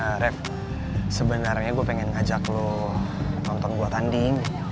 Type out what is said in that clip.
ya ref sebenarnya gue pengen ngajak lo nonton gue tanding